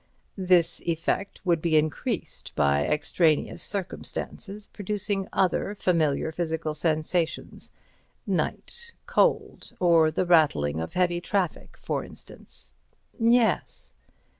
"This effect would be increased by extraneous circumstances producing other familiar physical sensations—night, cold or the rattling of heavy traffic, for instance." "Yes."